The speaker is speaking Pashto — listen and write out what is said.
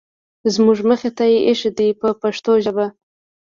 زموږ مخې ته یې اېښي دي په پښتو ژبه.